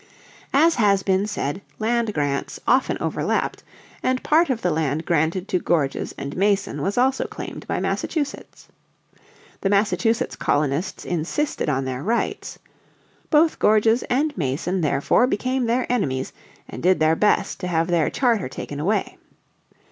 As has been said, land grants often overlapped, and part of the land granted to Gorges and Mason was also claimed by Massachusetts. The Massachusetts colonists insisted on their rights. Both Gorges and Mason therefore became their enemies, and did their best to have their charter taken away.